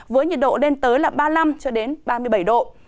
với nhiệt độ lên tới ba mươi năm ba mươi bảy độ